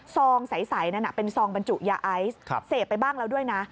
ซองใสนั้นเป็นซองบรรจุยาไอซ์เสพไปบ้างแล้วด้วยนะ